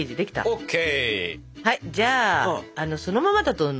ＯＫ。